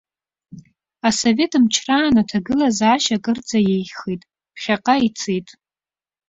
Асовет мчраан аҭагылазаашьа акырӡа еиӷьхеит, ԥхьаҟа ицеит.